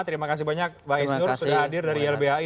terima kasih banyak pak isinur sudah hadir dari ilbhi